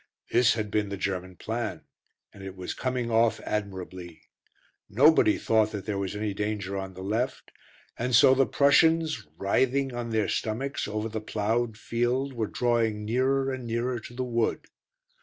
This had been the German plan; and it was coming off admirably. Nobody thought that there was any danger on the left; and so the Prussians, writhing on their stomachs over the ploughed field, were drawing nearer and nearer to the wood.